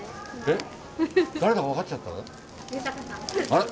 あら！